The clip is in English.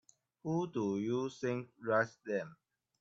Who do you think writes them?